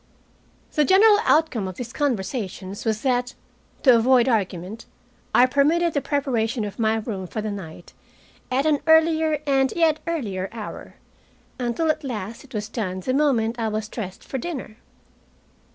The general outcome of these conversations was that, to avoid argument, I permitted the preparation of my room for the night at an earlier and yet earlier hour, until at last it was done the moment I was dressed for dinner.